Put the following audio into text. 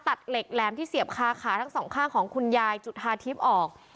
ตัดเหล็กแหลมที่เสียบคาขาทั้งสองข้างของคุณยายจุธาทิพย์ออก